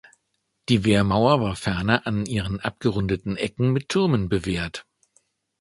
Die Wehrmauer war ferner an ihren abgerundeten Ecken mit Türmen bewehrt.